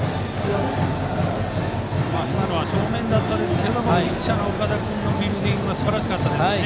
今のは正面でしたがピッチャーの岡田君のフィールディングがすばらしかったです。